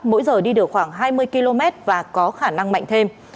mỗi giờ đi được khoảng hai mươi km và có khả năng mạnh thêm